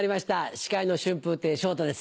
司会の春風亭昇太です